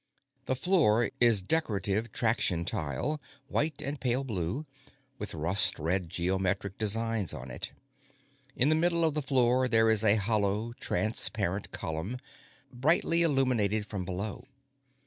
The floor is decorative traction tile, white and pale blue, with rust red geometric designs on it. In the middle of the floor, there is a hollow, transparent column, brightly illuminated from below.